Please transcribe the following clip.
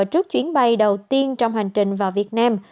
trước chuyến bay đầu tiên trong hành trình vào việt nam